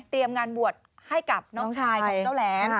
งานบวชให้กับน้องชายของเจ้าแหลม